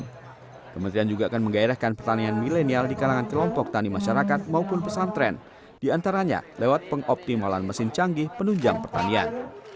kementerian juga akan menggairahkan pertanian milenial di kalangan kelompok tani masyarakat maupun pesantren diantaranya lewat pengoptimalan mesin canggih penunjang pertanian